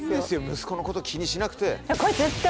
息子のこと気にしなくて。